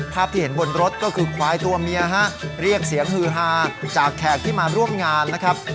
ภาพที่เห็นบนรถก็คือควายตัวเมียฮะเรียกเสียงฮือฮาจากแขกที่มาร่วมงานนะครับ